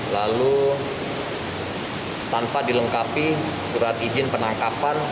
lalu tanpa dilengkapi surat izin penangkapan